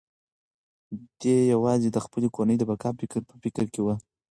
دی یوازې د خپلې کورنۍ د بقا په فکر کې و.